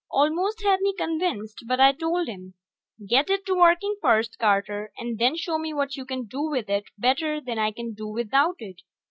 Almost had me convinced, but I told him, "Get it to working first, Carter, and then show me what you can do with it better than I can do without it.